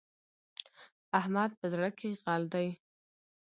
احمد په زړه کې غل دی.